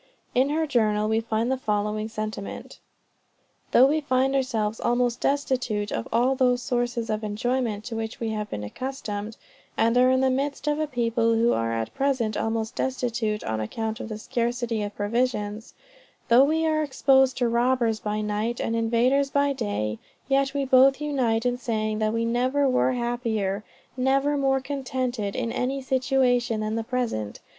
In her journal we find the following sentiment: "Though we find ourselves almost destitute of all those sources of enjoyment to which we have been accustomed, and are in the midst of a people who are at present almost destitute on account of the scarcity of provisions; though we are exposed to robbers by night and invaders by day, yet we both unite in saying that we never were happier, never more contented in any situation than the present.